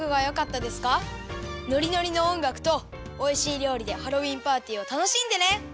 ノリノリのおんがくとおいしいりょうりでハロウィーンパーティーをたのしんでね！